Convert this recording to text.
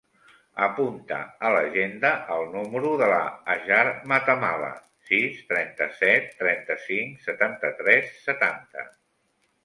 Apunta a l'agenda el número de la Hajar Matamala: sis, trenta-set, trenta-cinc, setanta-tres, setanta.